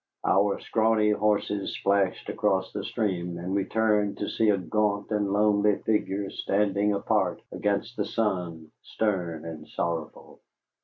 Our scrawny horses splashed across the stream, and we turned to see a gaunt and lonely figure standing apart against the sun, stern and sorrowful.